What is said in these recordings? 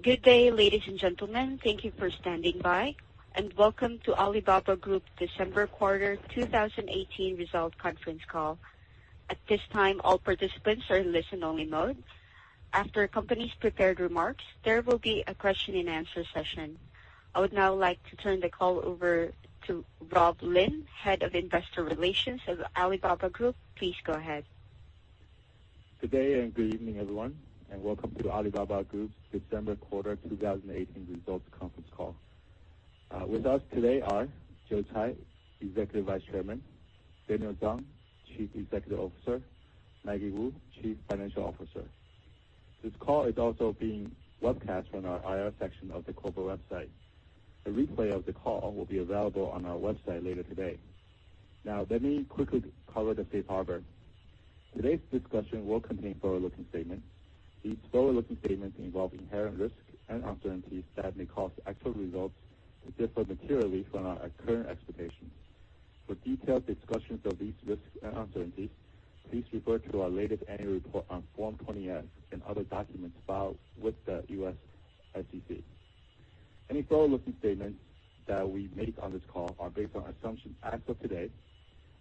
Good day, ladies and gentlemen. Thank you for standing by, and welcome to Alibaba Group's December Quarter 2018 Results Conference Call. At this time, all participants are in listen only mode. After the company's prepared remarks, there will be a question and answer session. I would now like to turn the call over to Rob Lin, Head of Investor Relations of Alibaba Group. Please go ahead. Good day and good evening, everyone, and welcome to Alibaba Group's December Quarter 2018 Results Conference Call. With us today are Joe Tsai, Executive Vice Chairman, Daniel Zhang, Chief Executive Officer, Maggie Wu, Chief Financial Officer. This call is also being webcast from our IR section of the corporate website. A replay of the call will be available on our website later today. Let me quickly cover the safe harbor. Today's discussion will contain forward-looking statements. These forward-looking statements involve inherent risks and uncertainties that may cause actual results to differ materially from our current expectations. For detailed discussions of these risks and uncertainties, please refer to our latest annual report on Form 20-F and other documents filed with the SEC. Any forward-looking statements that we make on this call are based on assumptions as of today.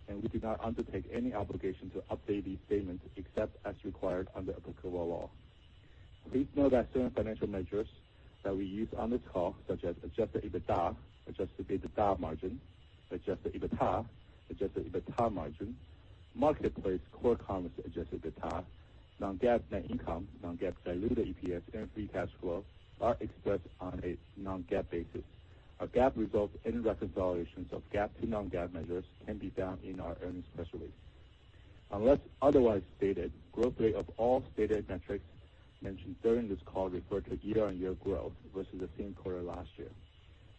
We do not undertake any obligation to update these statements except as required under applicable law. Please note that certain financial measures that we use on this call, such as adjusted EBITDA, adjusted EBITDA margin, adjusted EBITA, adjusted EBITA margin, Marketplace Core Commerce adjusted EBITA, non-GAAP net income, non-GAAP diluted EPS, and free cash flow, are expressed on a non-GAAP basis. Our GAAP results and reconciliations of GAAP to non-GAAP measures can be found in our earnings press release. Unless otherwise stated, growth rate of all stated metrics mentioned during this call refer to year-on-year growth versus the same quarter last year.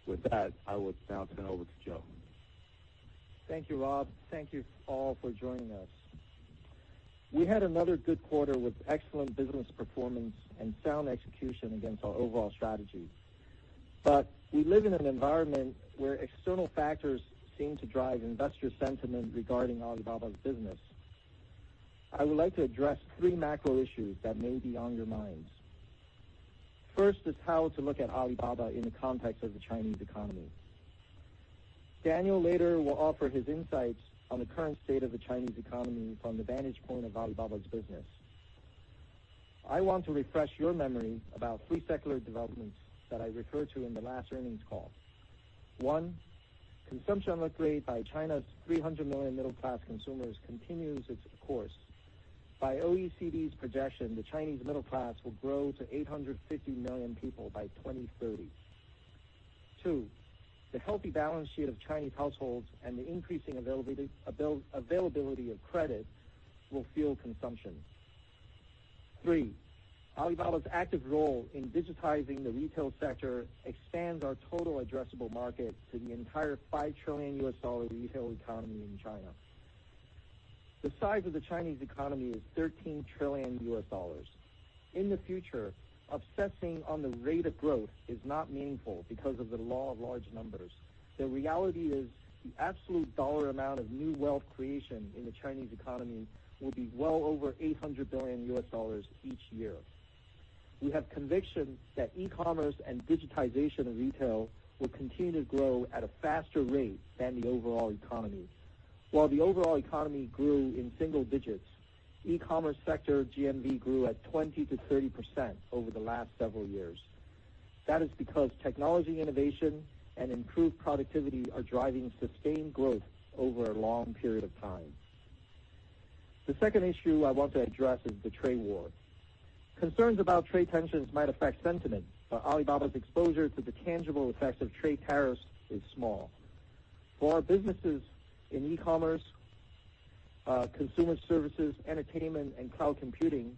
With that, I will now turn it over to Joe. Thank you, Rob. Thank you all for joining us. We had another good quarter with excellent business performance and sound execution against our overall strategy. We live in an environment where external factors seem to drive investor sentiment regarding Alibaba's business. I would like to address three macro issues that may be on your minds. First is how to look at Alibaba in the context of the Chinese economy. Daniel later will offer his insights on the current state of the Chinese economy from the vantage point of Alibaba's business. I want to refresh your memory about three secular developments that I referred to in the last earnings call. One, consumption upgrade by China's 300 million middle-class consumers continues its course. By OECD's projection, the Chinese middle class will grow to 850 million people by 2030. Two, the healthy balance sheet of Chinese households and the increasing availability of credit will fuel consumption. Three, Alibaba's active role in digitizing the retail sector expands our total addressable market to the entire $5 trillion retail economy in China. The size of the Chinese economy is $13 trillion. In the future, obsessing on the rate of growth is not meaningful because of the law of large numbers. The reality is the absolute dollar amount of new wealth creation in the Chinese economy will be well over $800 billion each year. We have conviction that e-commerce and digitization of retail will continue to grow at a faster rate than the overall economy. While the overall economy grew in single digits, the e-commerce sector GMV grew at 20%-30% over the last several years. That is because technology innovation and improved productivity are driving sustained growth over a long period of time. The second issue I want to address is the trade war. Concerns about trade tensions might affect sentiment, but Alibaba's exposure to the tangible effects of trade tariffs is small. For our businesses in e-commerce, consumer services, entertainment, and cloud computing,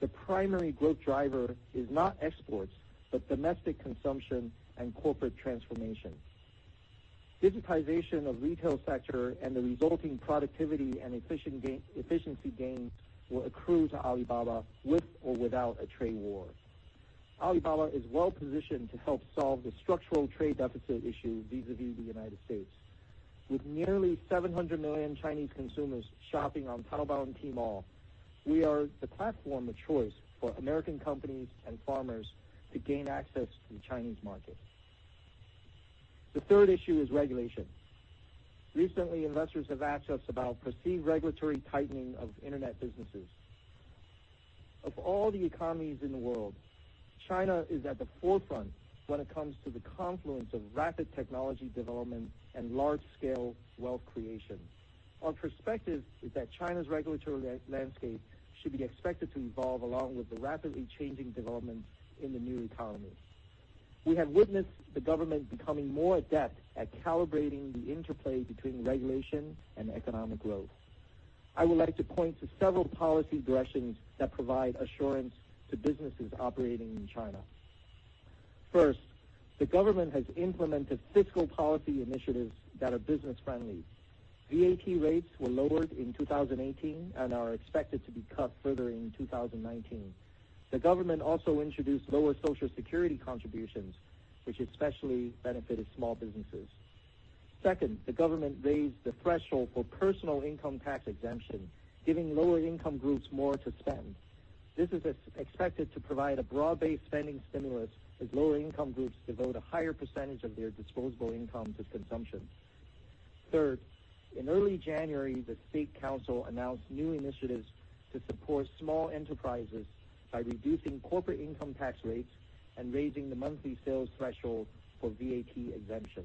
the primary growth driver is not exports, but domestic consumption and corporate transformation. Digitization of the retail sector and the resulting productivity and efficiency gains will accrue to Alibaba with or without a trade war. Alibaba is well positioned to help solve the structural trade deficit issue vis-a-vis the United States. With nearly 700 million Chinese consumers shopping on Taobao and Tmall, we are the platform of choice for American companies and farmers to gain access to the Chinese market. The third issue is regulation. Recently, investors have asked us about perceived regulatory tightening of internet businesses. Of all the economies in the world, China is at the forefront when it comes to the confluence of rapid technology development and large-scale wealth creation. Our perspective is that China's regulatory landscape should be expected to evolve along with the rapidly changing developments in the new economy. We have witnessed the government becoming more adept at calibrating the interplay between regulation and economic growth. I would like to point to several policy directions that provide assurance to businesses operating in China. First, the government has implemented fiscal policy initiatives that are business-friendly. VAT rates were lowered in 2018 and are expected to be cut further in 2019. The government also introduced lower Social Security contributions, which especially benefited small businesses. Second, the government raised the threshold for personal income tax exemption, giving lower income groups more to spend. This is expected to provide a broad-based spending stimulus as lower income groups devote a higher percentage of their disposable income to consumption. Third, in early January, the State Council announced new initiatives to support small enterprises by reducing corporate income tax rates and raising the monthly sales threshold for VAT exemption.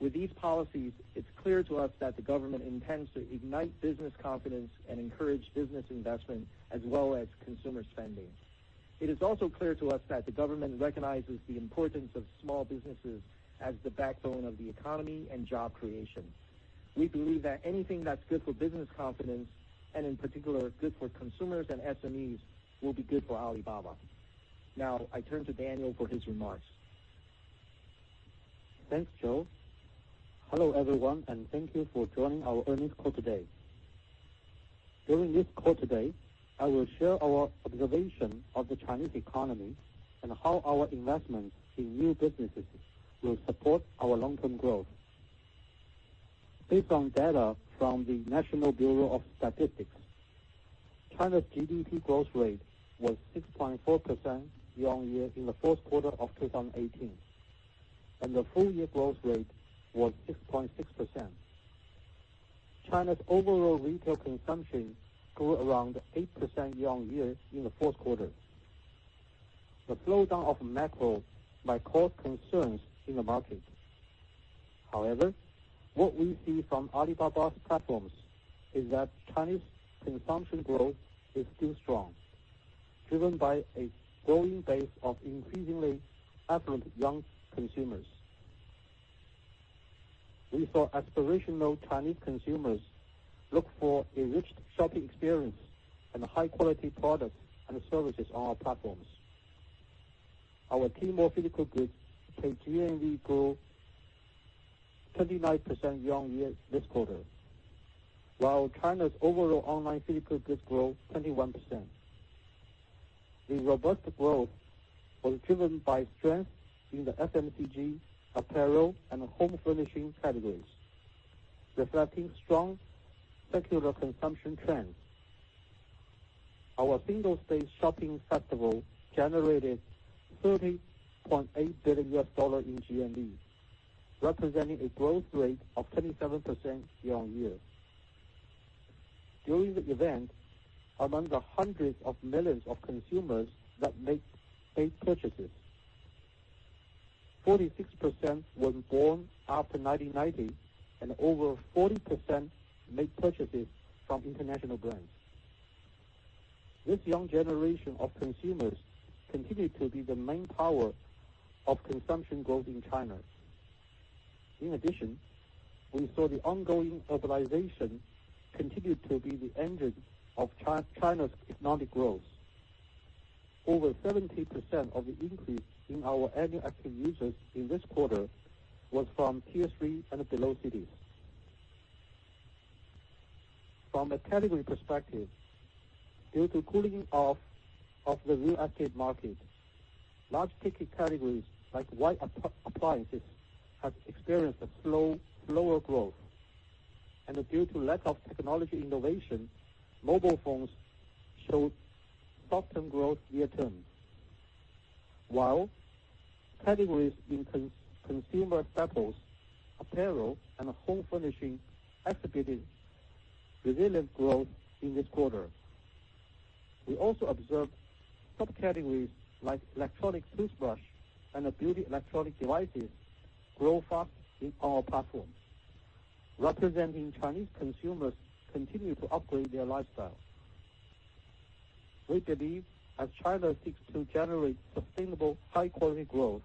With these policies, it's clear to us that the government intends to ignite business confidence and encourage business investment as well as consumer spending. It is also clear to us that the government recognizes the importance of small businesses as the backbone of the economy and job creation. We believe that anything that's good for business confidence, and in particular good for consumers and SMEs, will be good for Alibaba. Now, I turn to Daniel for his remarks. Thanks, Joe. Hello, everyone, and thank you for joining our earnings call today. During this call today, I will share our observation of the Chinese economy and how our investment in new businesses will support our long-term growth. Based on data from the National Bureau of Statistics, China's GDP growth rate was 6.4% year-on-year in the fourth quarter of 2018, and the full-year growth rate was 6.6%. China's overall retail consumption grew around 8% year-on-year in the fourth quarter. The slowdown of macro may cause concerns in the market. What we see from Alibaba's platforms is that Chinese consumption growth is still strong, driven by a growing base of increasingly affluent young consumers. We saw aspirational Chinese consumers look for enriched shopping experience and high-quality products and services on our platforms. Our Tmall physical goods GMV grew 29% year-on-year this quarter, while China's overall online physical goods grew 21%. The robust growth was driven by strength in the FMCG, apparel, and home furnishing categories, reflecting strong secular consumption trends. Our Singles' Day shopping festival generated $30.8 billion in GMV, representing a growth rate of 27% year-on-year. During the event, among the hundreds of millions of consumers that made purchases, 46% were born after 1990, and over 40% made purchases from international brands. This young generation of consumers continue to be the main power of consumption growth in China. We saw the ongoing urbanization continue to be the engine of China's economic growth. Over 70% of the increase in our annual active users in this quarter was from Tier 3 and below cities. From a category perspective, due to cooling off of the real estate market, large ticket categories like white appliances have experienced a slower growth. Due to lack of technology innovation, mobile phones showed softer growth year terms, while categories in consumer staples, apparel, and home furnishing exhibited resilient growth in this quarter. We also observed subcategories like electronic toothbrush and beauty electronic devices grow fast in our platforms, representing Chinese consumers continue to upgrade their lifestyle. We believe as China seeks to generate sustainable, high-quality growth,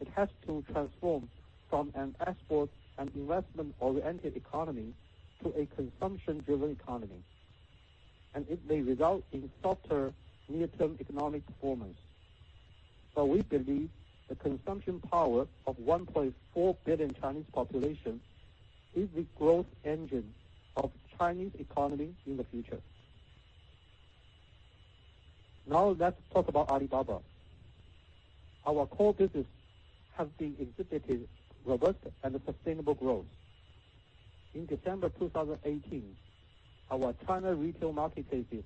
it has to transform from an export and investment-oriented economy to a consumption-driven economy. It may result in softer near-term economic performance. We believe the consumption power of 1.4 billion Chinese population is the growth engine of Chinese economy in the future. Let's talk about Alibaba. Our core business has been exhibiting robust and sustainable growth. In December 2018, our China retail marketplace business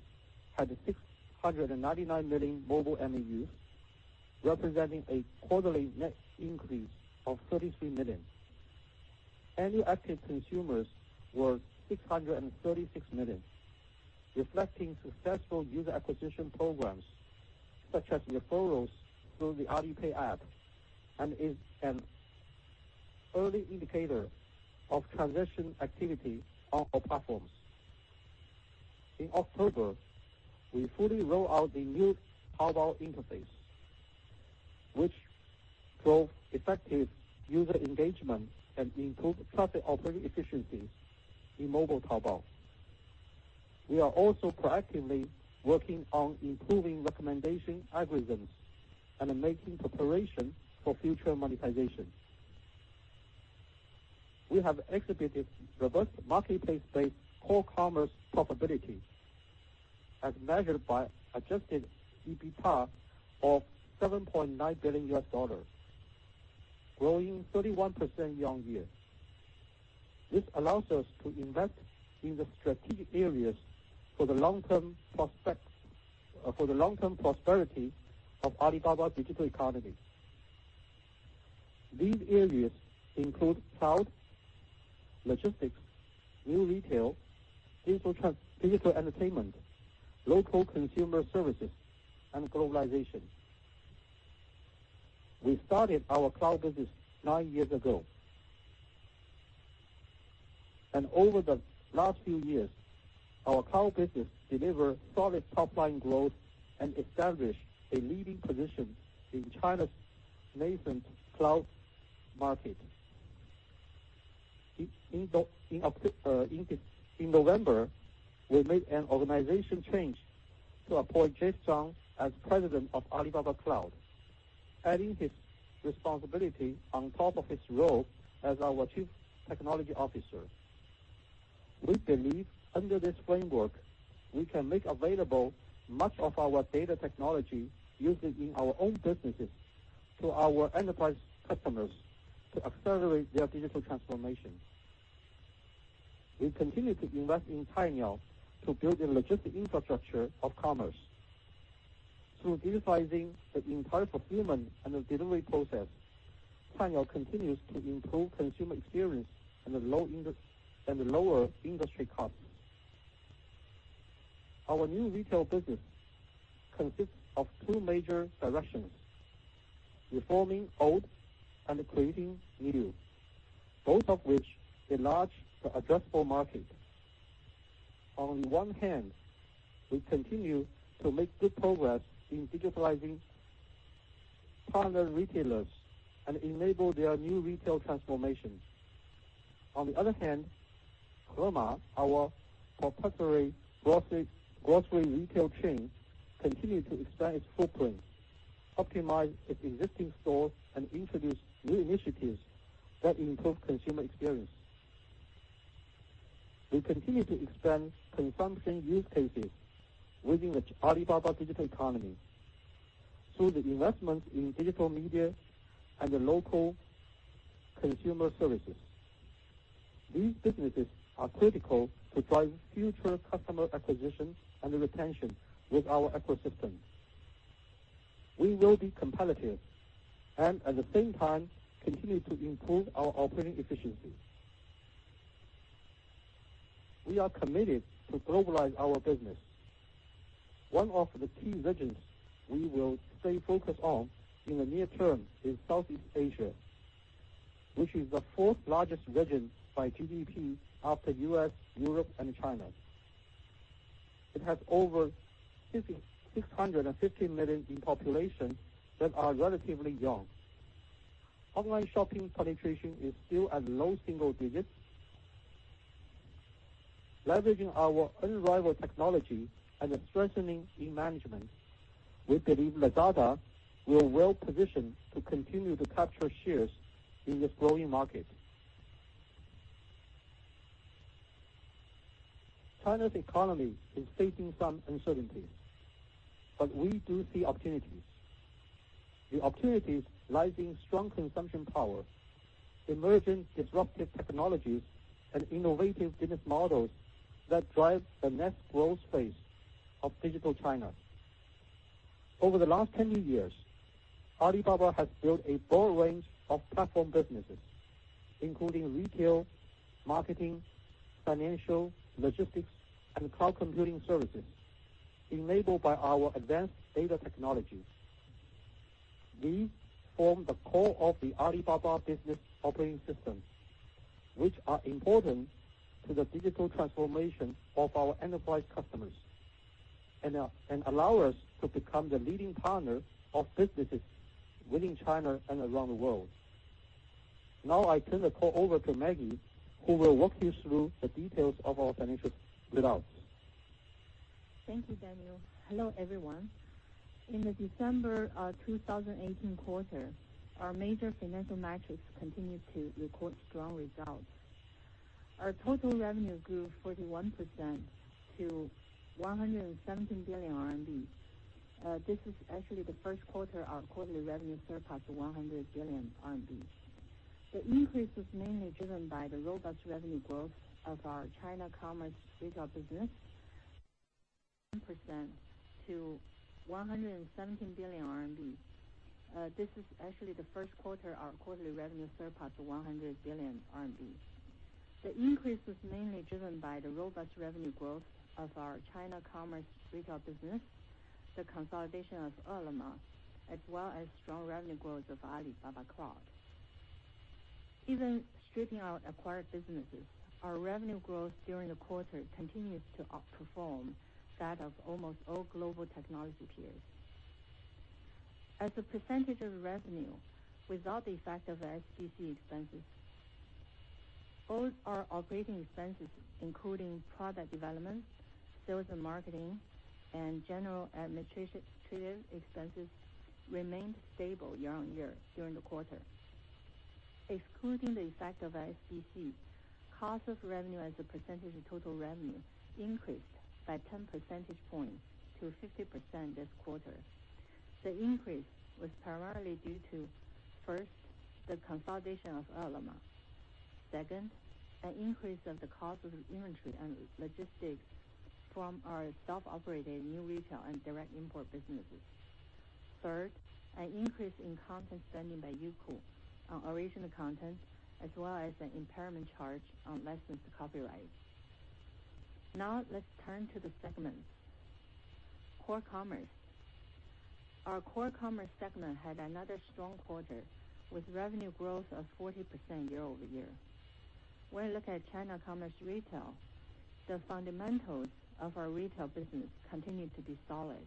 had 699 million mobile MAUs, representing a quarterly net increase of 33 million. Annual active consumers were 636 million, reflecting successful user acquisition programs such as referrals through the Alipay app, and is an early indicator of transaction activity on our platforms. In October, we fully rolled out the new Taobao interface, which drove effective user engagement and improved traffic operating efficiency in mobile Taobao. We are also proactively working on improving recommendation algorithms and making preparation for future monetization. We have exhibited robust marketplace-based core commerce profitability. As measured by adjusted EBITDA of $7.9 billion, growing 31% year-on-year. This allows us to invest in the strategic areas for the long-term prosperity of Alibaba digital economy. These areas include cloud, logistics, new retail, digital entertainment, local consumer services, and globalization. We started our cloud business nine years ago. Over the last few years, our cloud business deliver solid top-line growth and establish a leading position in China's nascent cloud market. In November, we made an organization change to appoint Jeff Zhang as President of Alibaba Cloud, adding his responsibility on top of his role as our Chief Technology Officer. We believe under this framework, we can make available much of our data technology used in our own businesses to our enterprise customers to accelerate their digital transformation. We continue to invest in Cainiao to build a logistic infrastructure of commerce. Through digitalizing the entire fulfillment and the delivery process, Cainiao continues to improve consumer experience and lower industry costs. Our new retail business consists of two major directions. Reforming old and creating new, both of which enlarge the addressable market. On one hand, we continue to make good progress in digitalizing partner retailers and enable their new retail transformation. On the other hand, Hema, our proprietary grocery retail chain, continue to expand its footprint, optimize its existing stores, and introduce new initiatives that improve consumer experience. We continue to expand consumption use cases within the Alibaba digital economy through the investment in digital media and local consumer services. These businesses are critical to drive future customer acquisition and retention with our ecosystem. We will be competitive and at the same time continue to improve our operating efficiency. We are committed to globalizing our business. One of the key regions we will stay focused on in the near term is Southeast Asia, which is the fourth largest region by GDP after U.S., Europe, and China. It has over 650 million in population that are relatively young. Online shopping penetration is still at low single digits. Leveraging our unrivaled technology and strengthening team management, we believe Lazada will well-positioned to continue to capture shares in this growing market. China's economy is facing some uncertainty, we do see opportunities. The opportunities lie in strong consumption power, emerging disruptive technologies, and innovative business models that drive the next growth phase of digital China. Over the last 10 years, Alibaba has built a broad range of platform businesses, including retail, marketing, financial, logistics, and cloud computing services, enabled by our advanced data technologies. These form the core of the Alibaba Business Operating System, which are important to the digital transformation of our enterprise customers and allow us to become the leading partner of businesses within China and around the world. I turn the call over to Maggie, who will walk you through the details of our financial results. Thank you, Daniel. Hello, everyone. In the December 2018 quarter, our major financial metrics continued to record strong results. Our total revenue grew 41% to 117 billion RMB. This is actually the first quarter our quarterly revenue surpassed 100 billion RMB. The increase was mainly driven by the robust revenue growth of our China commerce retail business, 1% to 117 billion RMB. This is actually the first quarter our quarterly revenue surpassed 100 billion RMB. The increase was mainly driven by the robust revenue growth of our China commerce retail business, the consolidation of Ele.me, as well as strong revenue growth of Alibaba Cloud. Even stripping out acquired businesses, our revenue growth during the quarter continued to outperform that of almost all global technology peers. As a percentage of revenue, without the effect of our SBC expenses, all our operating expenses, including product development, sales and marketing, and general and administrative expenses, remained stable year-over-year during the quarter. Excluding the effect of our SBC, cost of revenue as a percentage of total revenue increased by 10 percentage points to 50% this quarter. The increase was primarily due to, first, the consolidation of Ele.me. Second, an increase of the cost of inventory and logistics from our self-operated new retail and direct import businesses. Third, an increase in content spending by Youku on original content, as well as an impairment charge on licensed copyright. Now let's turn to the segments. Core commerce. Our core commerce segment had another strong quarter, with revenue growth of 40% year-over-year. When we look at China commerce retail, the fundamentals of our retail business continued to be solid.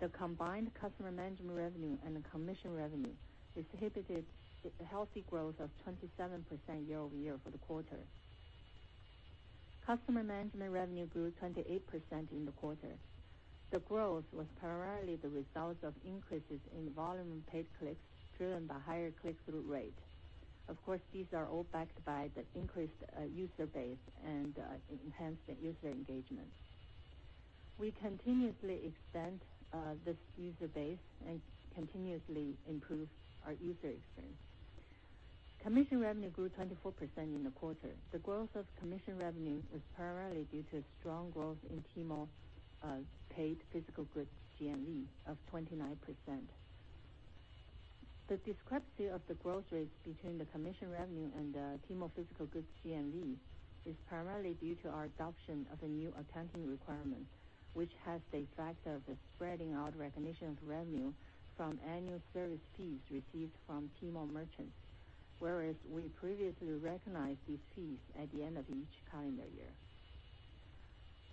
The combined customer management revenue and commission revenue exhibited a healthy growth of 27% year-over-year for the quarter. Customer management revenue grew 28% in the quarter. The growth was primarily the result of increases in volume and paid clicks, driven by higher click-through rate. Of course, these are all backed by the increased user base and enhanced user engagement. We continuously expand this user base and continuously improve our user experience. Commission revenue grew 24% in the quarter. The growth of commission revenue is primarily due to strong growth in Tmall paid physical goods GMV of 29%. The discrepancy of the growth rates between the commission revenue and the Tmall physical goods GMV is primarily due to our adoption of the new accounting requirement, which has the effect of the spreading out recognition of revenue from annual service fees received from Tmall merchants. Whereas we previously recognized these fees at the end of each calendar year.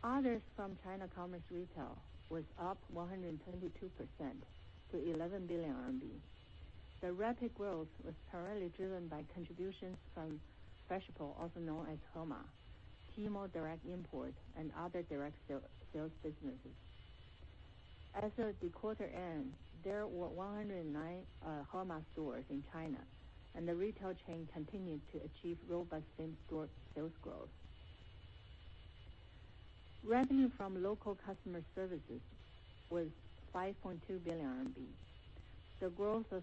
Others from China commerce retail was up 122% to 11 billion RMB. The rapid growth was primarily driven by contributions from Freshippo, also known as Hema, Tmall Direct Import, and other direct sales businesses. As of the quarter end, there were 109 Hema stores in China, and the retail chain continued to achieve robust same-store sales growth. Revenue from local customer services was 5.2 billion RMB. The growth of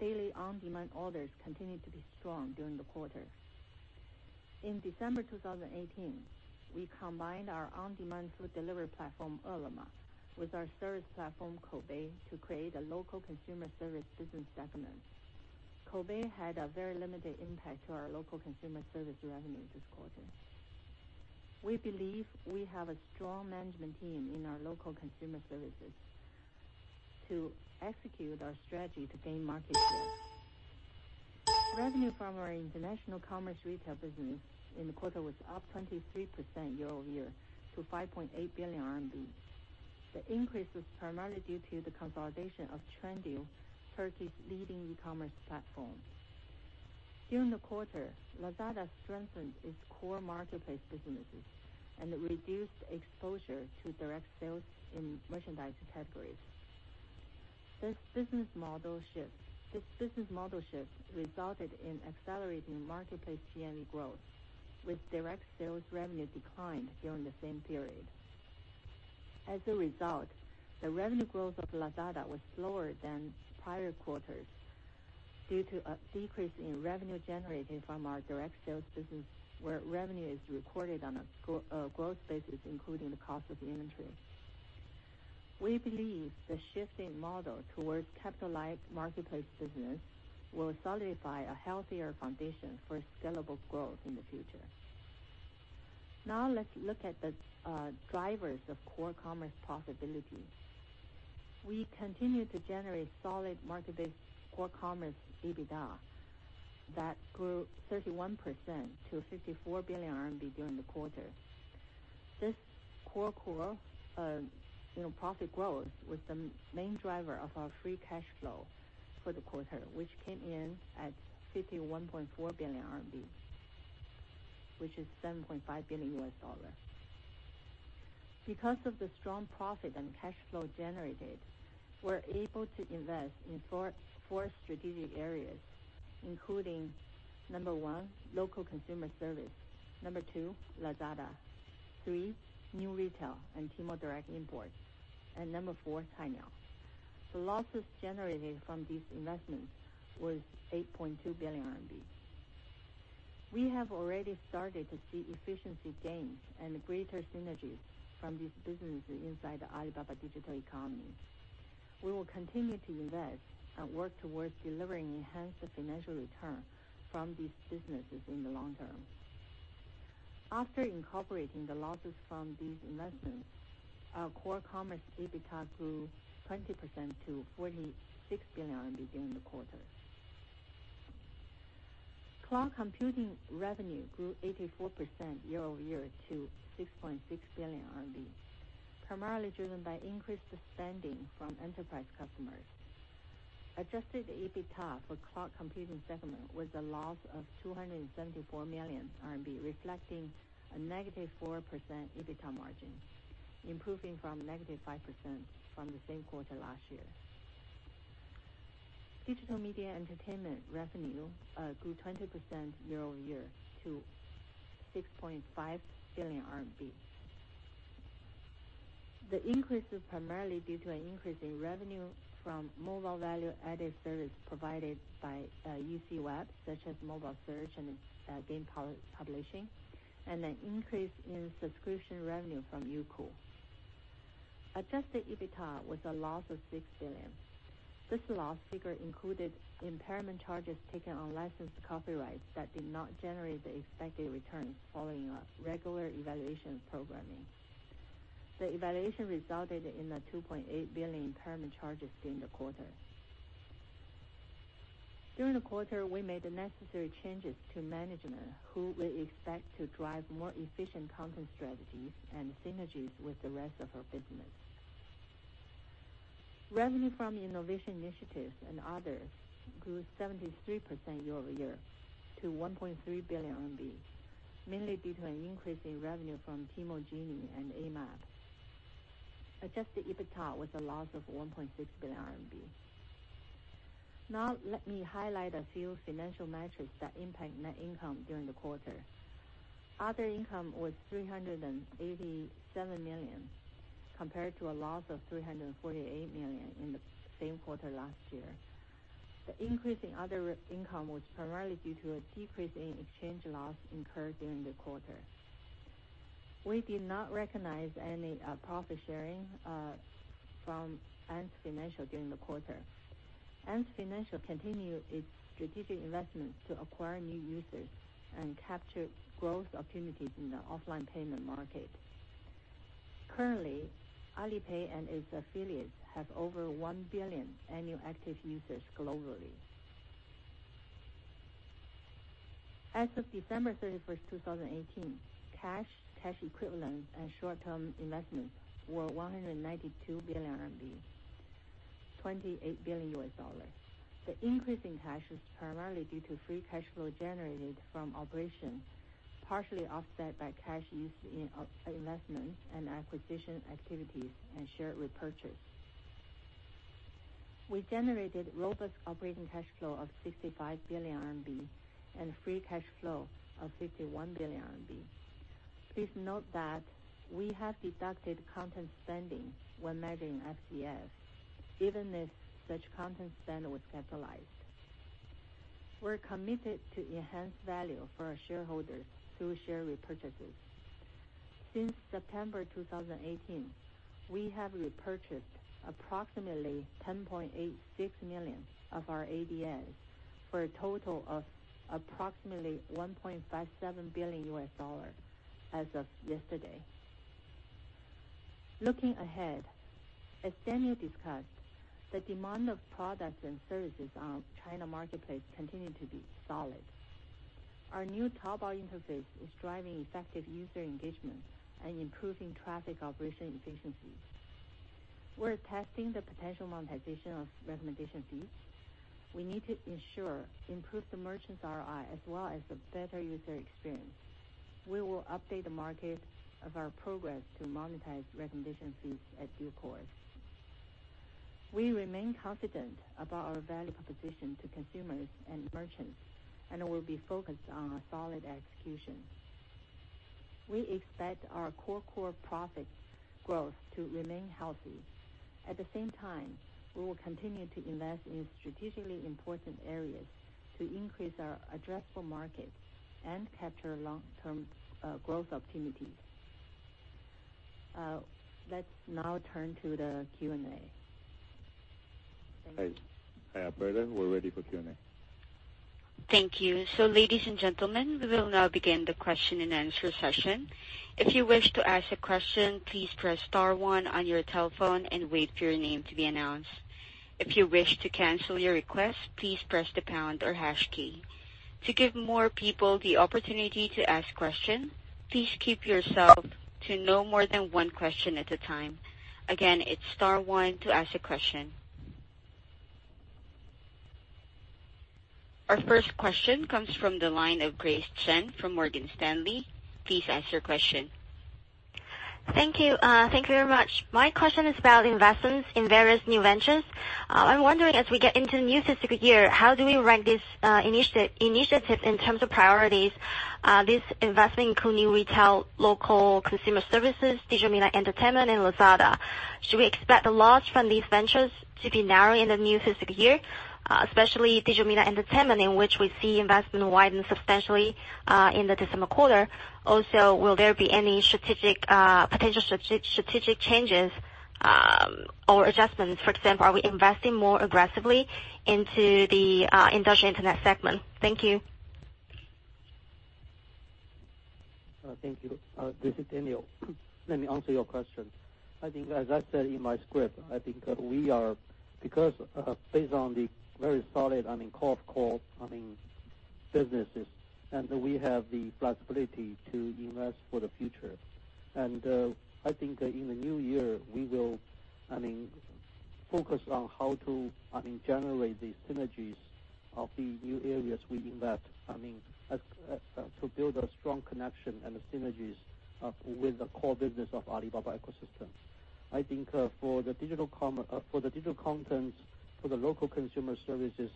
daily on-demand orders continued to be strong during the quarter. In December 2018, we combined our on-demand food delivery platform, Ele.me, with our service platform, Koubei, to create a local consumer service business segment. Koubei had a very limited impact on our local consumer service revenue this quarter. We believe we have a strong management team in our local consumer services to execute our strategy to gain market share. Revenue from our international commerce retail business in the quarter was up 23% year-over-year to 5.8 billion RMB. The increase was primarily due to the consolidation of Trendyol, Turkey's leading e-commerce platform. During the quarter, Lazada strengthened its core marketplace businesses and reduced exposure to direct sales in merchandise categories. This business model shift resulted in accelerating marketplace GMV growth, with direct sales revenue decline during the same period. As a result, the revenue growth of Lazada was slower than prior quarters due to a decrease in revenue generated from our direct sales business, where revenue is recorded on a growth basis, including the cost of inventory. We believe the shift in model towards capital-like marketplace business will solidify a healthier foundation for scalable growth in the future. Now let's look at the drivers of core commerce profitability. We continue to generate solid market-based core commerce EBITDA that grew 31% to 54 billion RMB during the quarter. This core profit growth was the main driver of our free cash flow for the quarter, which came in at 51.4 billion RMB, which is $7.5 billion. Because of the strong profit and cash flow generated, we're able to invest in four strategic areas, including number one, local consumer service. Number two, Lazada. Three, new retail and Tmall Direct Import. And number four, Cainiao. The losses generated from these investments was 8.2 billion RMB. We have already started to see efficiency gains and greater synergies from these businesses inside the Alibaba digital economy. We will continue to invest and work towards delivering enhanced financial return from these businesses in the long term. After incorporating the losses from these investments, our core commerce EBITDA grew 20% to 46 billion RMB during the quarter. Cloud computing revenue grew 84% year-over-year to 6.6 billion RMB, primarily driven by increased spending from enterprise customers. Adjusted EBITDA for cloud computing segment was a loss of 274 million RMB, reflecting a -4% EBITDA margin, improving from -5% from the same quarter last year. Digital media entertainment revenue grew 20% year-over-year to CNY 6.5 billion. The increase is primarily due to an increase in revenue from mobile value-added service provided by UCWeb, such as mobile search and game publishing, and an increase in subscription revenue from Youku. Adjusted EBITDA was a loss of 6 billion. This loss figure included impairment charges taken on licensed copyrights that did not generate the expected returns following a regular evaluation of programming. The evaluation resulted in 2.8 billion impairment charges during the quarter. During the quarter, we made the necessary changes to management, who we expect to drive more efficient content strategies and synergies with the rest of our business. Revenue from innovation initiatives and others grew 73% year-over-year to 1.3 billion RMB, mainly due to an increase in revenue from Tmall Genie and Amap. Adjusted EBITDA was a loss of 1.6 billion RMB. Now, let me highlight a few financial metrics that impact net income during the quarter. Other income was 387 million, compared to a loss of 348 million in the same quarter last year. The increase in other income was primarily due to a decrease in exchange loss incurred during the quarter. We did not recognize any profit sharing from Ant Financial during the quarter. Ant Financial continued its strategic investments to acquire new users and capture growth opportunities in the offline payment market. Currently, Alipay and its affiliates have over 1 billion annual active users globally. As of December 31st, 2018, cash equivalents, and short-term investments were 192 billion RMB, $28 billion. The increase in cash is primarily due to free cash flow generated from operations, partially offset by cash used in investments and acquisition activities and share repurchase. We generated robust operating cash flow of 65 billion RMB and free cash flow of 51 billion RMB. Please note that we have deducted content spending when measuring FCF, given that such content spend was capitalized. We're committed to enhance value for our shareholders through share repurchases. Since September 2018, we have repurchased approximately 10.86 million of our ADRs for a total of approximately $1.57 billion as of yesterday. Looking ahead, as Daniel discussed, the demand of products and services on China Marketplace continue to be solid. Our new Taobao interface is driving effective user engagement and improving traffic operation efficiencies. We are testing the potential monetization of recommendation feeds. We need to ensure improved the merchants' ROI as well as a better user experience. We will update the market of our progress to monetize recommendation feeds at due course. We remain confident about our value proposition to consumers and merchants and will be focused on solid execution. We expect our core profit growth to remain healthy. At the same time, we will continue to invest in strategically important areas to increase our addressable market and capture long-term growth opportunities. Let's now turn to the Q&A. Hi, operator. We are ready for Q&A. Thank you. Ladies and gentlemen, we will now begin the question and answer session. If you wish to ask a question, please press star one on your telephone and wait for your name to be announced. If you wish to cancel your request, please press the pound or hash key. To give more people the opportunity to ask questions, please keep yourself to no more than one question at a time. Again, it is star one to ask a question. Our first question comes from the line of Grace Chen from Morgan Stanley. Please ask your question. Thank you. Thank you very much. My question is about investments in various new ventures. I am wondering, as we get into the new fiscal year, how do we rank these initiatives in terms of priorities? These investment including retail, local consumer services, Digital Media and Entertainment, and Lazada. Should we expect the loss from these ventures to be narrowing in the new fiscal year, especially Digital Media and Entertainment, in which we see investment widen substantially in the December quarter? Will there be any potential strategic changes or adjustments? For example, are we investing more aggressively into the industrial Internet segment? Thank you. Thank you. This is Daniel. Let me answer your question. I think as I said in my script, I think based on the very solid core businesses, we have the flexibility to invest for the future. I think in the new year, we will focus on how to generate these synergies of the new areas we invest. To build a strong connection and synergies with the core business of Alibaba ecosystem. I think for the digital content, for the local consumer services,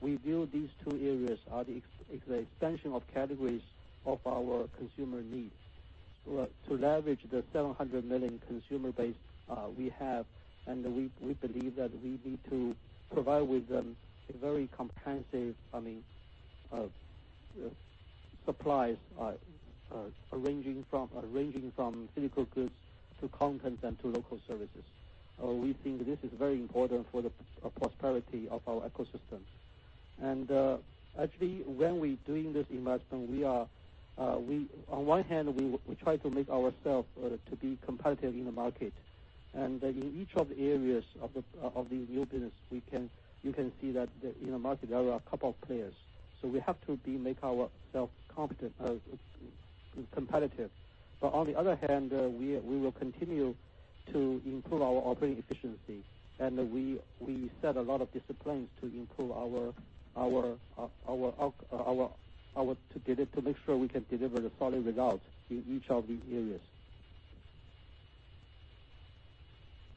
we view these two areas are the extension of categories of our consumer needs to leverage the 700 million consumer base we have. We believe that we need to provide with them a very comprehensive supplies, ranging from physical goods to content and to local services. We think this is very important for the prosperity of our ecosystem. Actually, when we're doing this investment, on one hand, we try to make ourself to be competitive in the market. In each of the areas of the new business, you can see that in the market, there are a couple of players. We have to make ourself competitive. On the other hand, we will continue to improve our operating efficiency. We set a lot of disciplines to make sure we can deliver the solid results in each of these areas.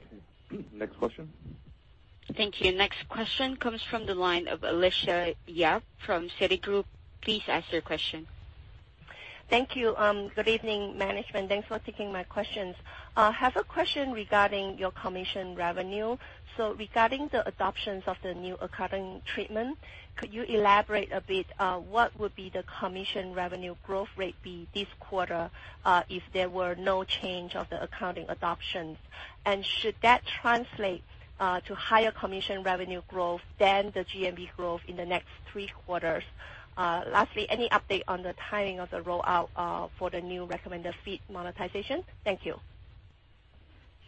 Okay. Next question. Thank you. Next question comes from the line of Alicia Yap from Citigroup. Please ask your question. Thank you. Good evening, management. Thanks for taking my questions. I have a question regarding your commission revenue. Regarding the adoption of the new accounting treatment, could you elaborate a bit, what would be the commission revenue growth rate be this quarter, if there were no change of the accounting adoption? Should that translate to higher commission revenue growth than the GMV growth in the next three quarters? Lastly, any update on the timing of the rollout for the new recommended fee monetization? Thank you.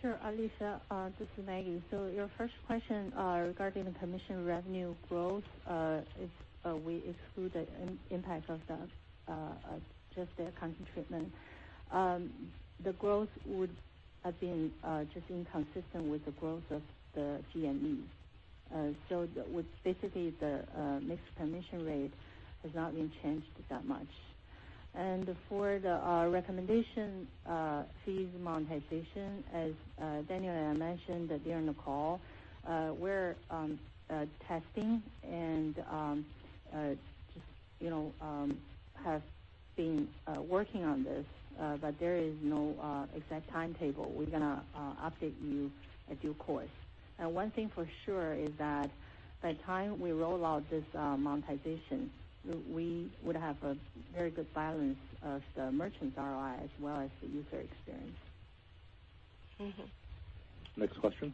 Sure, Alicia. This is Maggie. Your first question regarding the commission revenue growth, if we exclude the impact of just the accounting treatment. The growth would have been just inconsistent with the growth of the GMV. Basically, the mixed commission rate has not been changed that much. For the recommendation fees monetization, as Daniel and I mentioned during the call, we're testing and have been working on this, but there is no exact timetable. We're going to update you at due course. One thing for sure is that by the time we roll out this monetization, we would have a very good balance of the merchants ROI as well as the user experience. Next question.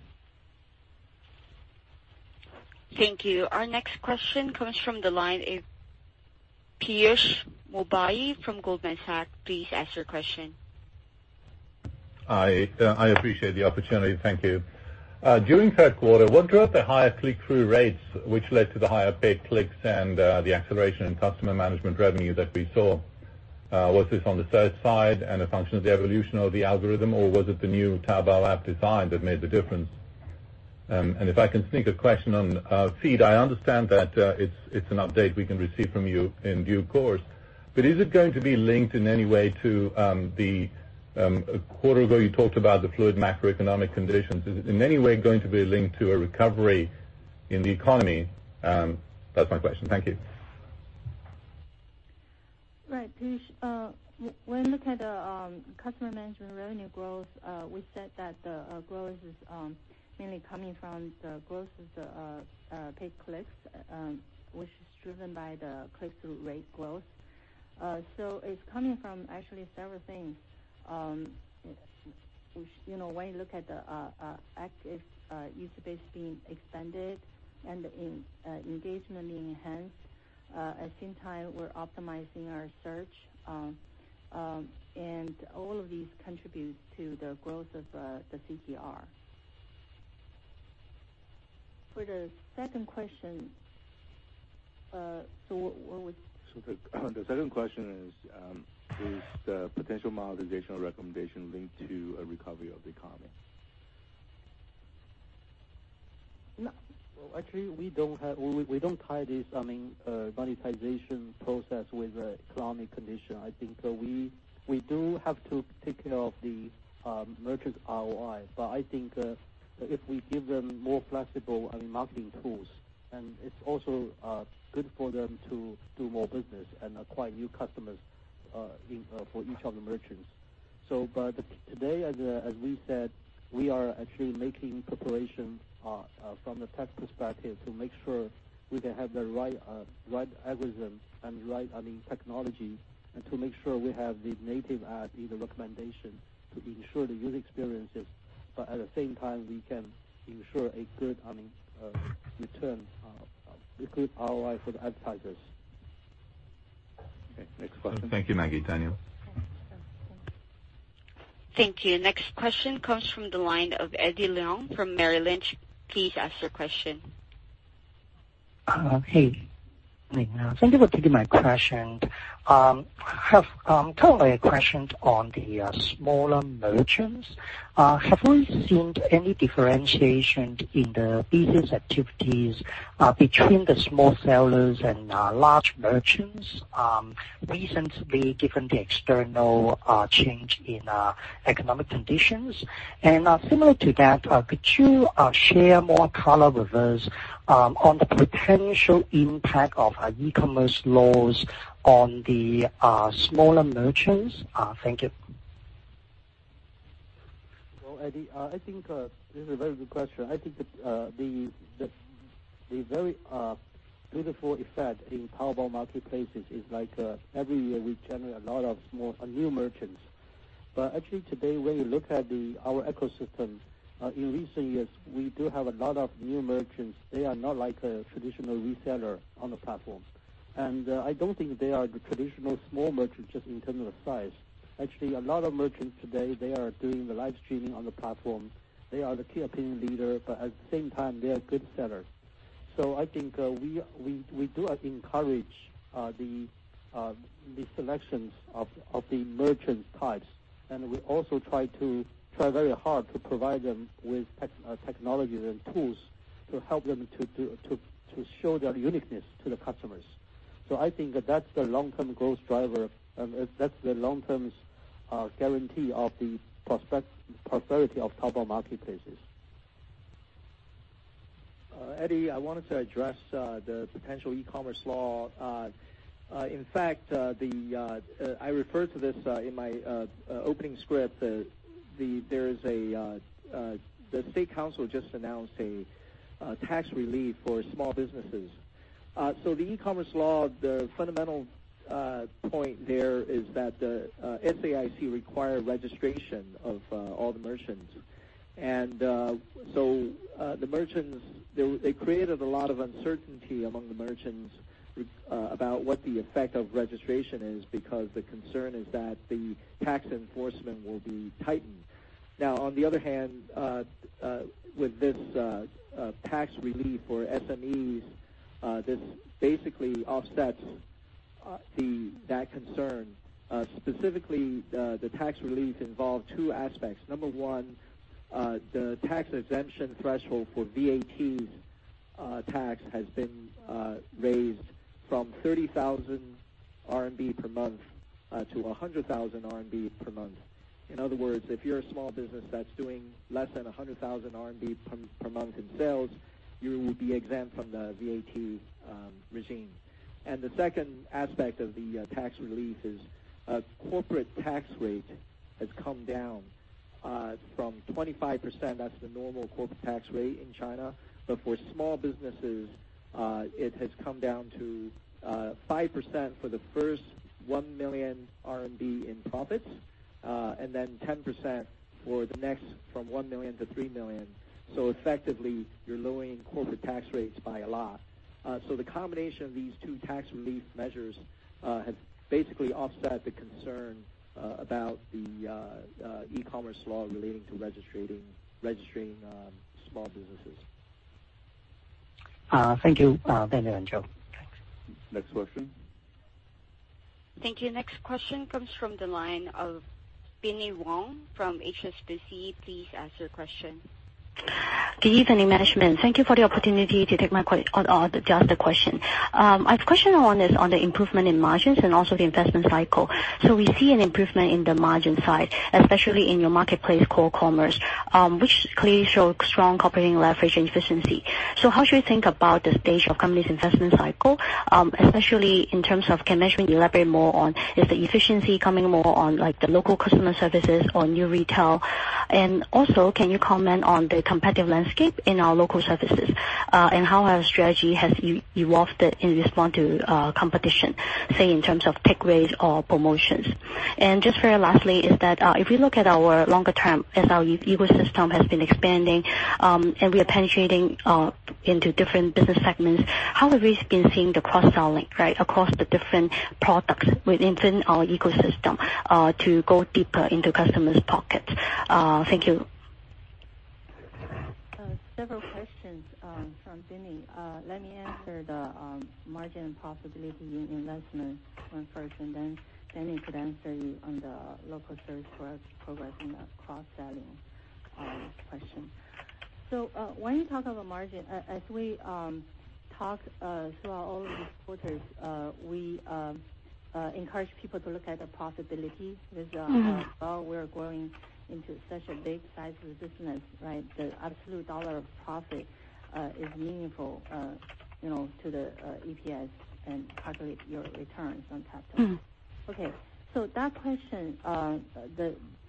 Thank you. Our next question comes from the line of Piyush Mubayi from Goldman Sachs. Please ask your question. I appreciate the opportunity. Thank you. During third quarter, what drove the higher click-through rates, which led to the higher paid clicks and the acceleration in customer management revenue that we saw? Was this on the search side and a function of the evolution of the algorithm, or was it the new Taobao app design that made the difference? If I can sneak a question on feed, I understand that it's an update we can receive from you in due course. A quarter ago, you talked about the fluid macroeconomic conditions. Is it in any way going to be linked to a recovery in the economy? That's my question. Thank you. Right, Piyush. When you look at the customer management revenue growth, we said that the growth is mainly coming from the growth of the paid clicks, which is driven by the click-through rate growth. It's coming from actually several things, when you look at the active user base being expanded and engagement being enhanced. At the same time, we're optimizing our search, and all of these contribute to the growth of the CTR. For the second question. The second question is the potential monetization recommendation linked to a recovery of the economy? No. Well, actually, we don't tie this monetization process with the economic condition. I think we do have to take care of the merchants ROI. I think if we give them more flexible marketing tools, it's also good for them to do more business and acquire new customers for each of the merchants. Today, as we said, we are actually making preparation from the tech perspective to make sure we can have the right algorithms and right technology, to make sure we have the native ad, the recommendation to ensure the user experiences. At the same time, we can ensure a good return, a good ROI for the advertisers. Okay, next question. Thank you, Maggie. Daniel? Thank you. Next question comes from the line of Eddie Leung from Merrill Lynch. Please ask your question. Hey. Thank you for taking my question. I have questions on the smaller merchants. Have we seen any differentiation in the business activities between the small sellers and large merchants recently, given the external change in economic conditions? Similar to that, could you share more color with us on the potential impact of e-commerce laws on the smaller merchants? Thank you. Well, Eddie, I think this is a very good question. I think the very beautiful effect in Taobao marketplaces is every year we generate a lot of new merchants. Actually today, when you look at our ecosystem, in recent years, we do have a lot of new merchants. They are not like a traditional reseller on the platform. I don't think they are the traditional small merchants just in terms of size. Actually, a lot of merchants today, they are doing the live streaming on the platform. They are the key opinion leader, but at the same time, they are good sellers. I think we do encourage the selections of the merchant types, and we also try very hard to provide them with technologies and tools to help them to show their uniqueness to the customers. I think that's the long-term growth driver, and that's the long-term guarantee of the prosperity of Taobao marketplaces. Eddie, I wanted to address the potential e-commerce law. In fact, I referred to this in my opening script. The State Council just announced a tax relief for small businesses. The e-commerce law, the fundamental point there is that the SAIC require registration of all the merchants. They created a lot of uncertainty among the merchants about what the effect of registration is, because the concern is that the tax enforcement will be tightened. Now, on the other hand, with this tax relief for SMEs, this basically offsets that concern. Specifically, the tax relief involved two aspects. Number one, the tax exemption threshold for VAT tax has been raised from 30,000 RMB per month to 100,000 RMB per month. In other words, if you're a small business that's doing less than 100,000 RMB per month in sales, you will be exempt from the VAT regime. The second aspect of the tax relief is corporate tax rate has come down from 25%, that's the normal corporate tax rate in China. For small businesses, it has come down to 5% for the first 1 million RMB in profits, and then 10% for the next, from 1 million to 3 million. Effectively, you're lowering corporate tax rates by a lot. The combination of these two tax relief measures has basically offset the concern about the e-commerce law relating to registering small businesses. Thank you, Daniel and Joe. Thanks. Next question. Thank you. Next question comes from the line of Binnie Wong from HSBC. Please ask your question. Good evening, management. Thank you for the opportunity to ask the question. I have a question on the improvement in margins and also the investment cycle. We see an improvement in the margin side, especially in your marketplace Core Commerce, which clearly shows strong operating leverage and efficiency. How should we think about the stage of company's investment cycle, especially in terms of can management elaborate more on, is the efficiency coming more on the local customer services or new retail? And also, can you comment on the competitive landscape in our local services, and how our strategy has evolved in respond to competition, say, in terms of tech rates or promotions? Just very lastly is that, if we look at our longer term, as our ecosystem has been expanding, and we are penetrating into different business segments, how have we been seeing the cross-selling across the different products within our ecosystem to go deeper into customers' pockets? Thank you. Several questions from Binnie. Let me answer the margin profitability investment one first, then Daniel could answer you on the local service progress and the cross-selling question. When you talk about margin, as we talk throughout all of these quarters, we encourage people to look at the profitability. As well, we're growing into such a big size of business, the absolute dollar of profit is meaningful to the EPS and calculate your returns on capital. Okay.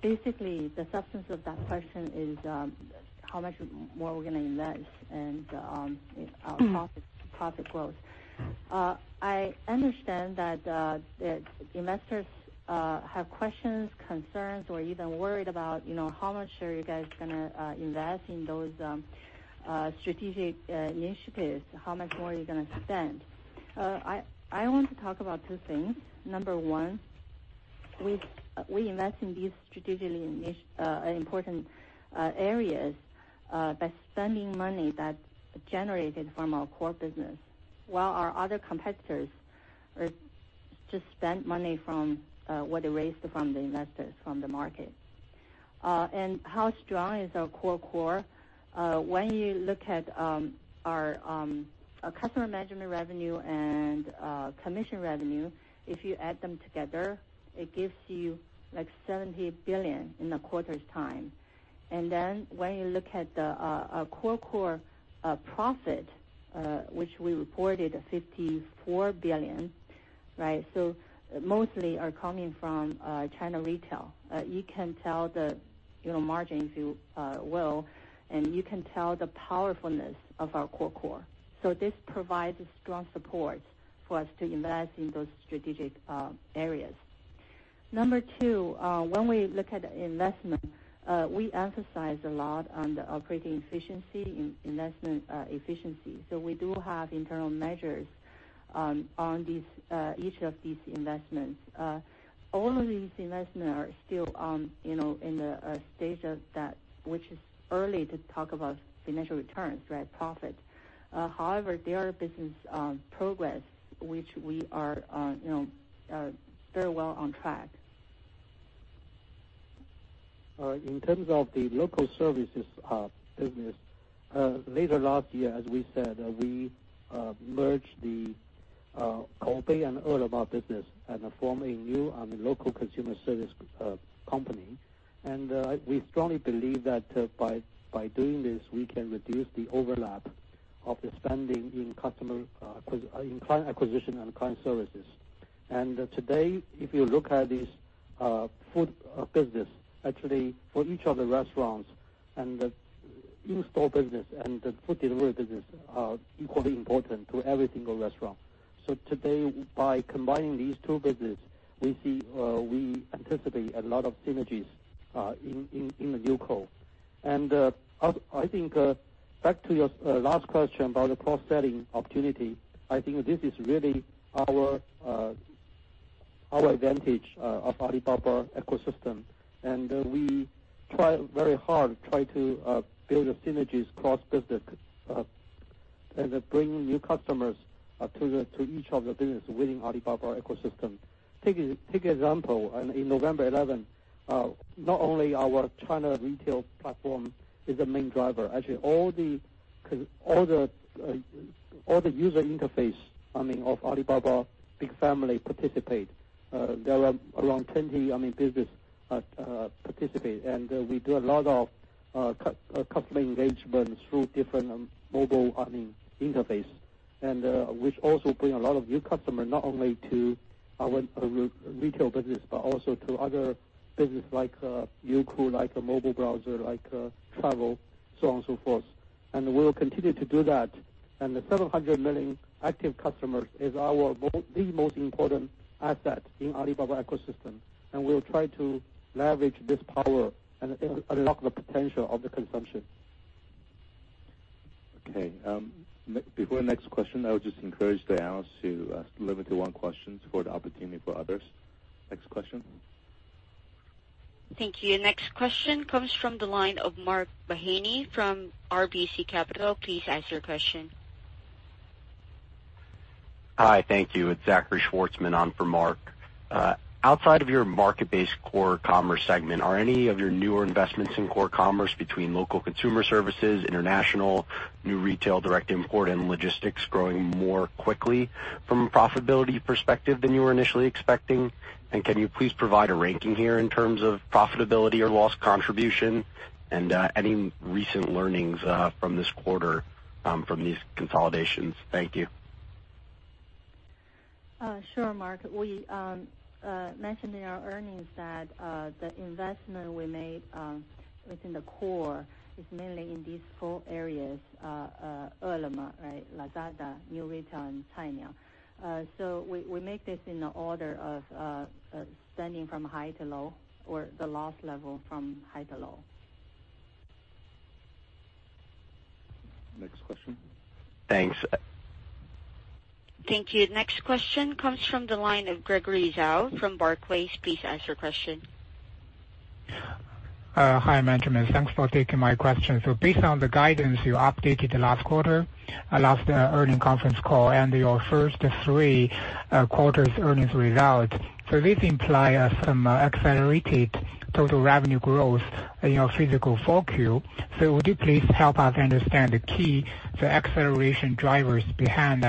Basically, the substance of that question is how much more we are going to invest and our profit growth. I understand that investors have questions, concerns, or even worried about how much are you guys going to invest in those strategic initiatives? How much more are you going to spend? I want to talk about two things. Number one. We invest in these strategically important areas by spending money that's generated from our core business, while our other competitors just spend money from what they raised from the investors, from the market. How strong is our core? When you look at our customer management revenue and commission revenue, if you add them together, it gives you like 70 billion in a quarter's time. When you look at the core profit, which we reported 54 billion, right? Mostly are coming from China retail. You can tell the margin if you will, and you can tell the powerfulness of our core. This provides strong support for us to invest in those strategic areas. Number two, when we look at investment, we emphasize a lot on the operating efficiency, investment efficiency. We do have internal measures on each of these investments. All of these investments are still in the stage, which is early to talk about financial returns, profit. However, they are business progress, which we are very well on track. In terms of the local services business, later last year, as we said, we merged the Koubei and Ele.me business and formed a new local consumer service company. We strongly believe that by doing this, we can reduce the overlap of the spending in client acquisition and client services. Today, if you look at this food business, actually, for each of the restaurants and the in-store business and the food delivery business are equally important to every single restaurant. Today, by combining these two business, we anticipate a lot of synergies in the new co. I think back to your last question about the cross-selling opportunity, I think this is really our advantage of Alibaba ecosystem. We try very hard to build synergies cross-business, and bring new customers to each of the businesses within Alibaba ecosystem. Take example, in November 11, not only our China retail platform is the main driver. Actually, all the user interface of Alibaba big family participate. There are around 20 businesses participate. We do a lot of customer engagement through different mobile interfaces, which also bring a lot of new customers not only to our retail business, but also to other businesses like Youku, like mobile browser, like travel, so on and so forth. We will continue to do that. The 700 million active customers is the most important asset in Alibaba ecosystem. We will try to leverage this power and unlock the potential of the consumption. Okay. Before next question, I would just encourage the analysts to limit to one question for the opportunity for others. Next question. Thank you. Next question comes from the line of Mark Mahaney from RBC Capital. Please ask your question. Hi. Thank you. It's Zachary Schwartzman on for Mark. Outside of your market-based core commerce segment, are any of your newer investments in core commerce between local consumer services, international, New Retail, direct import, and logistics growing more quickly from a profitability perspective than you were initially expecting? Can you please provide a ranking here in terms of profitability or loss contribution? Any recent learnings from this quarter from these consolidations. Thank you. Sure, Mark. We mentioned in our earnings that the investment we made within the core is mainly in these four areas. Ele.me, Lazada, New Retail, and Cainiao. We make this in the order of spending from high to low, or the loss level from high to low. Next question. Thanks. Thank you. Next question comes from the line of Gregory Zhao from Barclays. Please ask your question. Hi, management. Thanks for taking my question. Based on the guidance you updated the last earning conference call and your first three quarters earnings results. This imply some accelerated total revenue growth in your fiscal 4Q. Would you please help us understand the key acceleration drivers behind?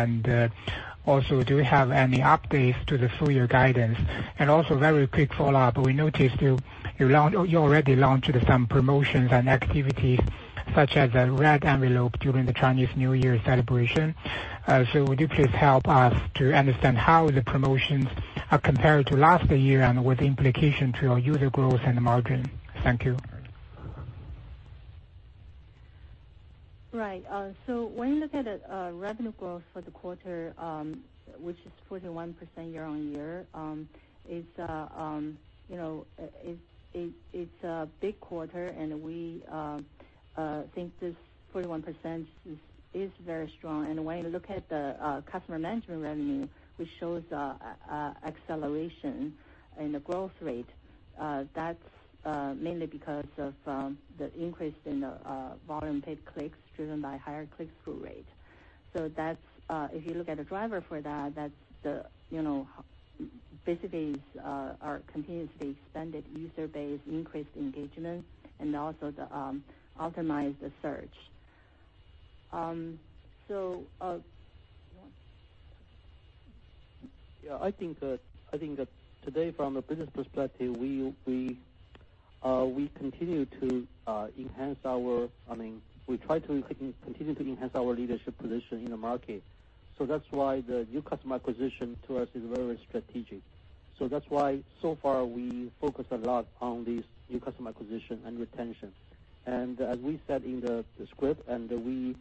Do you have any updates to the full year guidance? Very quick follow-up, we noticed you already launched some promotions and activities such as a red envelope during the Chinese New Year celebration. Would you please help us to understand how the promotions are compared to last year and what the implication to your user growth and margin? Thank you. Right. When you look at the revenue growth for the quarter, which is 41% year-on-year, it's a big quarter, and we think this 41% is very strong. When you look at the customer management revenue, which shows acceleration in the growth rate, that's mainly because of the increase in the volume paid clicks driven by higher click-through rate. If you look at the driver for that basically continues to be expanded user base, increased engagement, and also to optimize the search. I think that today from a business perspective, we try to continue to enhance our leadership position in the market. That's why the new customer acquisition to us is very strategic. That's why so far we focus a lot on these new customer acquisition and retention. As we said in the script, we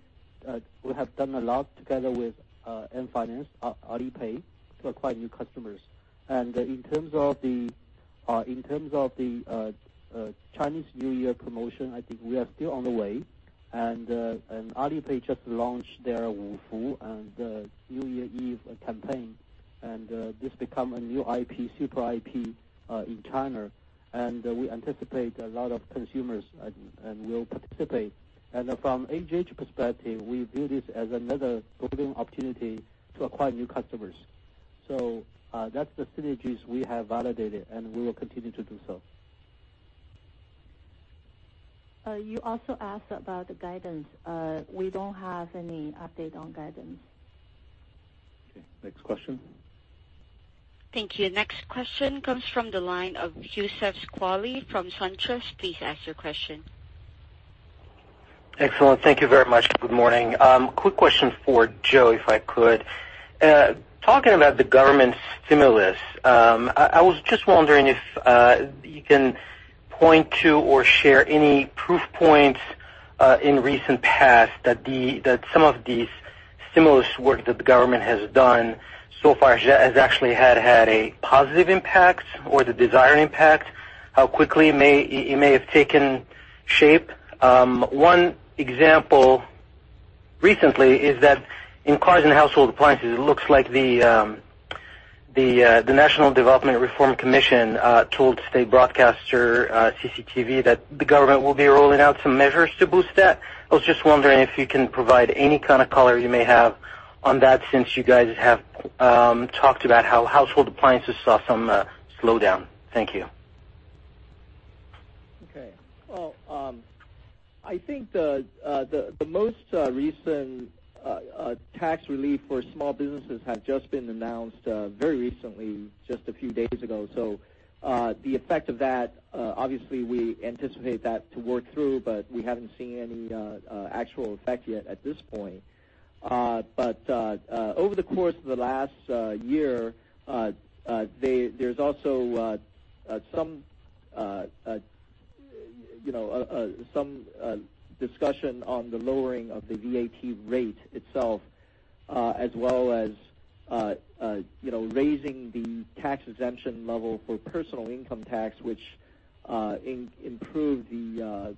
have done a lot together with Ant Financial, Alipay, to acquire new customers. In terms of the Chinese New Year promotion, I think we are still on the way. Alipay just launched their New Year Eve campaign, and this become a new IP, super IP, in China, and we anticipate a lot of consumers will participate. From AJH perspective, we view this as another booming opportunity to acquire new customers. That's the synergies we have validated, and we will continue to do so. You also asked about the guidance. We don't have any update on guidance. Okay, next question. Thank you. Next question comes from the line of Youssef Squali from SunTrust. Please ask your question. Excellent. Thank you very much. Good morning. Quick question for Joe, if I could. Talking about the government stimulus, I was just wondering if you can point to or share any proof points in recent past that some of these stimulus work that the government has done so far has actually had a positive impact or the desired impact, how quickly it may have taken shape. One example recently is that in cars and household appliances, it looks like the National Development and Reform Commission told state broadcaster CCTV that the government will be rolling out some measures to boost that. I was just wondering if you can provide any kind of color you may have on that since you guys have talked about how household appliances saw some slowdown. Thank you. Okay. Well, I think the most recent tax relief for small businesses had just been announced very recently, just a few days ago. The effect of that, obviously we anticipate that to work through, but we haven't seen any actual effect yet at this point. Over the course of the last year, there's also some discussion on the lowering of the VAT rate itself, as well as raising the tax exemption level for personal income tax, which improved the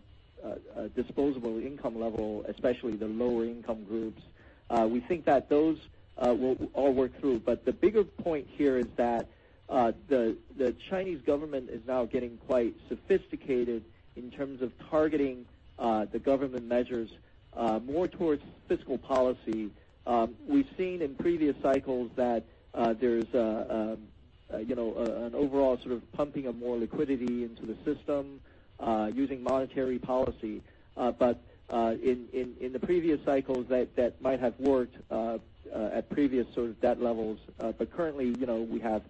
disposable income level, especially the lower income groups. We think that those will all work through. The bigger point here is that the Chinese government is now getting quite sophisticated in terms of targeting the government measures more towards fiscal policy. We've seen in previous cycles that there is an overall sort of pumping of more liquidity into the system, using monetary policy. In the previous cycles that might have worked at previous sort of debt levels. Currently, we have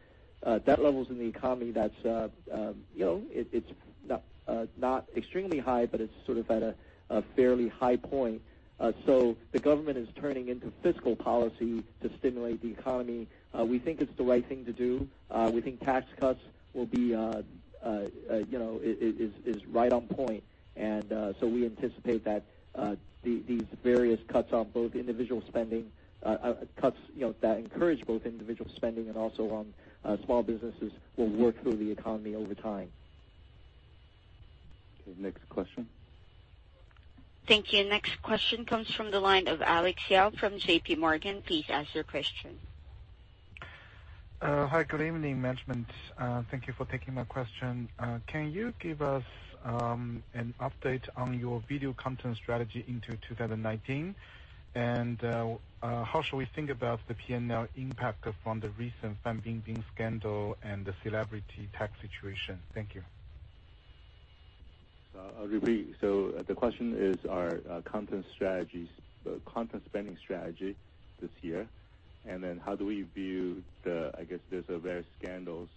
debt levels in the economy that it's not extremely high, but it's sort of at a fairly high point. The government is turning into fiscal policy to stimulate the economy. We think it's the right thing to do. We think tax cuts is right on point. We anticipate that these various cuts that encourage both individual spending and also on small businesses will work through the economy over time. Okay. Next question. Thank you. Next question comes from the line of Alex Yao from JPMorgan. Please ask your question. Hi, good evening, management. Thank you for taking my question. Can you give us an update on your video content strategy into 2019? How should we think about the P&L impact from the recent Fan Bingbing scandal and the celebrity tax situation? Thank you. I'll repeat. The question is, our content spending strategy this year, and then how do we view the, I guess there's various scandals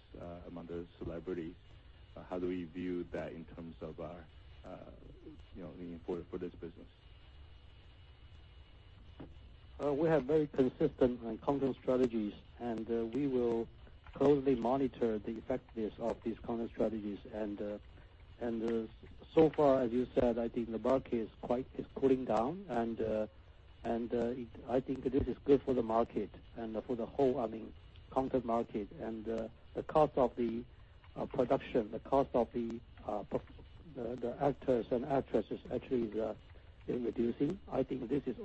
among the celebrities. How do we view that in terms of the importance for this business? We have very consistent and content strategies, and we will closely monitor the effectiveness of these content strategies. So far, as you said, I think the market is quite cooling down, and I think this is good for the market and for the whole content market. The cost of the production, the cost of the actors and actresses actually is reducing. I think this is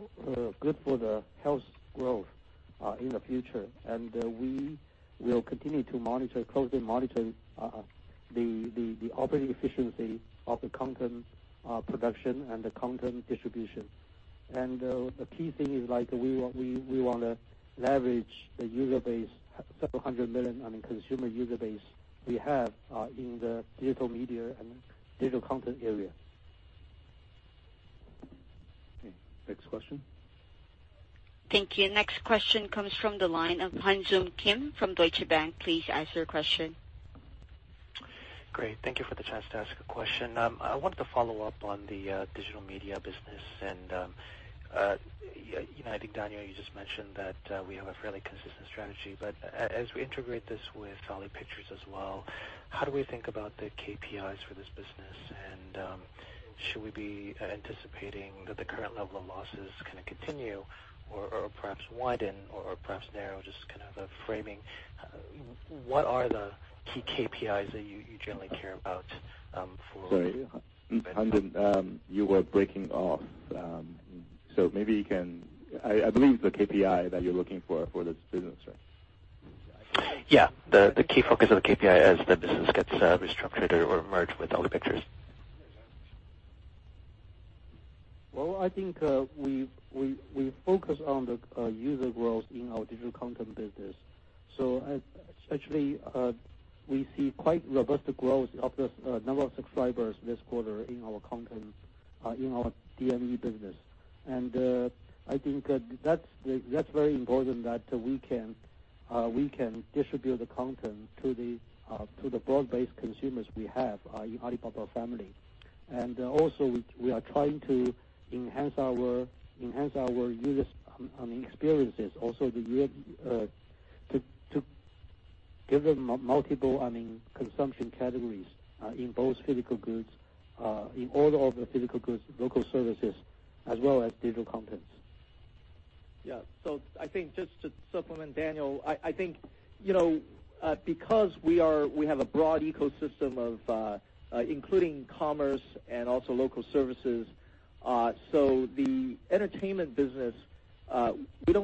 good for the health growth in the future. We will continue to closely monitor the operating efficiency of the content production and the content distribution. The key thing is we want to leverage the user base, several hundred million consumer user base we have in the digital media and digital content area. Okay. Next question. Thank you. Next question comes from the line of Han Joon Kim from Deutsche Bank. Please ask your question. Great. Thank you for the chance to ask a question. I wanted to follow up on the digital media business. I think, Daniel, you just mentioned that we have a fairly consistent strategy, but as we integrate this with Alibaba Pictures as well, how do we think about the KPIs for this business? Should we be anticipating that the current level of losses continue or perhaps widen or perhaps narrow? What are the key KPIs that you generally care about? Sorry. You were breaking off. I believe the KPI that you're looking for this business, right? Yeah. The key focus of the KPI as the business gets restructured or merged with Alibaba Pictures. Well, I think we focus on the user growth in our digital content business. Actually, we see quite robust growth of the number of subscribers this quarter in our DME business. I think that's very important that we can distribute the content to the broad-based consumers we have in Alibaba family. Also, we are trying to enhance our users' experiences also to give them multiple consumption categories in all of the physical goods, local services, as well as digital contents. Yeah. I think just to supplement Daniel, I think because we have a broad ecosystem including commerce and also local services, we don't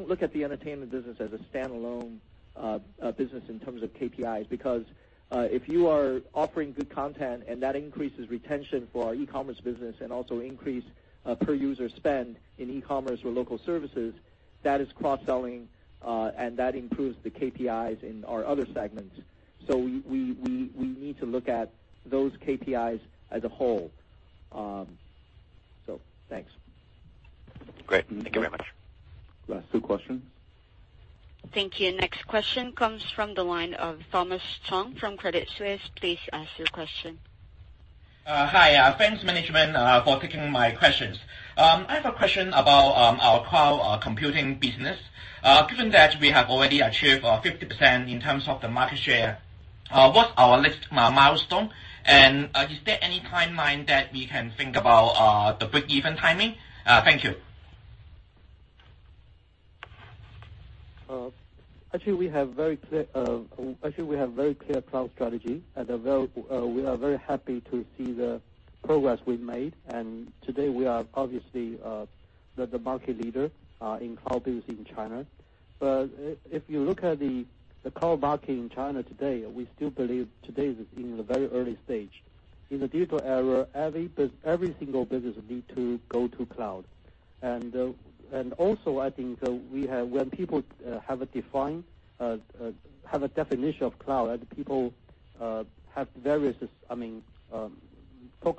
look at the entertainment business as a standalone business in terms of KPIs. If you are offering good content and that increases retention for our e-commerce business and also increase per-user spend in e-commerce or local services, that is cross-selling, and that improves the KPIs in our other segments. We need to look at those KPIs as a whole. Thanks. Great. Thank you very much. Last two questions. Thank you. Next question comes from the line of Thomas Chong from Credit Suisse. Please ask your question. Hi. Thanks management for taking my questions. I have a question about our cloud computing business. Given that we have already achieved 50% in terms of the market share, what's our next milestone? Is there any timeline that we can think about the breakeven timing? Thank you. Actually, we have a very clear cloud strategy, and we are very happy to see the progress we've made. Today we are obviously the market leader in cloud business in China. If you look at the cloud market in China today, we still believe today is in the very early stage. In the digital era, every single business needs to go to cloud. I think when people have a definition of cloud, people talk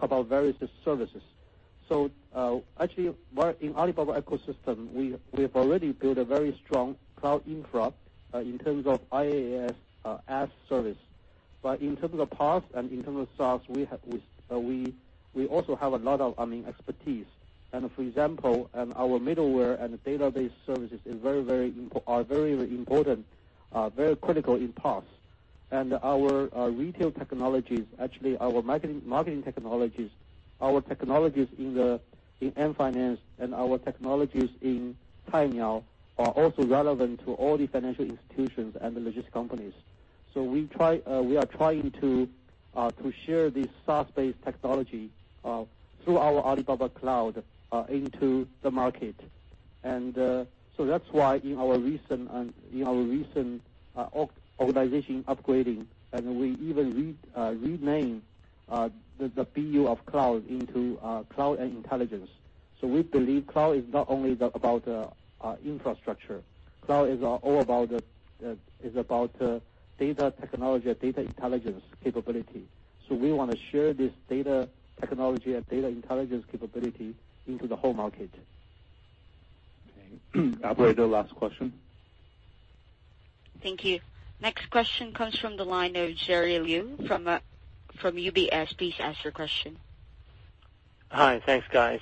about various services. Actually, in Alibaba ecosystem, we have already built a very strong cloud infra in terms of IaaS service. In terms of PaaS and in terms of SaaS, we also have a lot of expertise. For example, our middleware and database services are very important, very critical in PaaS. Our retail technologies, actually, our marketing technologies, our technologies in Ant Finance, and our technologies in Cainiao are also relevant to all the financial institutions and logistics companies. We are trying to share this SaaS-based technology through our Alibaba Cloud into the market. That's why in our recent organization upgrading, we even renamed the BU of cloud into cloud and intelligence. We believe cloud is not only about infrastructure. Cloud is about data technology, data intelligence capability. We want to share this data technology and data intelligence capability into the whole market. Okay. Operator, last question. Thank you. Next question comes from the line of Jerry Liu from UBS. Please ask your question. Hi. Thanks, guys.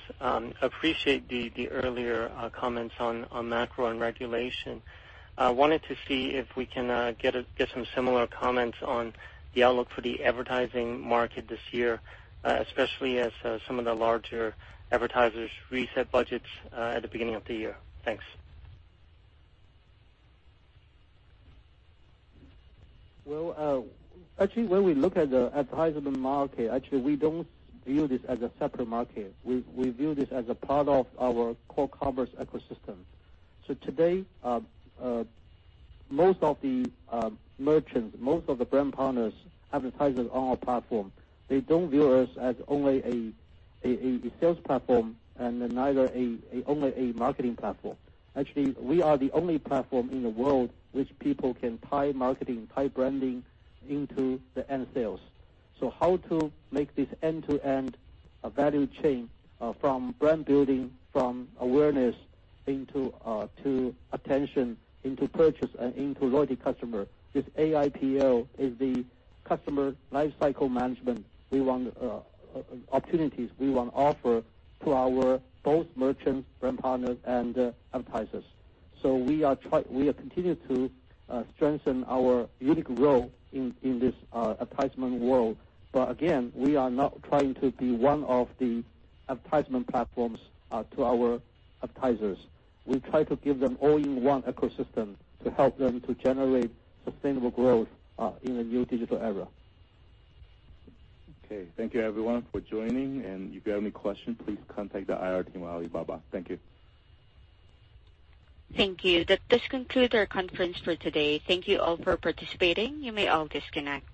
Appreciate the earlier comments on macro and regulation. Wanted to see if we can get some similar comments on the outlook for the advertising market this year, especially as some of the larger advertisers reset budgets at the beginning of the year. Thanks. Well, actually, when we look at the advertisement market, actually, we don't view this as a separate market. We view this as a part of our core commerce ecosystem. Today, most of the merchants, most of the brand partners, advertisers on our platform, they don't view us as only a sales platform and neither only a marketing platform. Actually, we are the only platform in the world which people can tie marketing, tie branding into the end sales. How to make this end-to-end value chain from brand building, from awareness into attention, into purchase, and into loyal customer. This AIPL is the customer lifecycle management opportunities we want to offer to our both merchants, brand partners, and advertisers. We continue to strengthen our unique role in this advertisement world. Again, we are not trying to be one of the advertisement platforms to our advertisers. We try to give them all-in-one ecosystem to help them to generate sustainable growth in the new digital era. Okay. Thank you everyone for joining. If you have any questions, please contact the IR team at Alibaba. Thank you. Thank you. This concludes our conference for today. Thank you all for participating. You may all disconnect.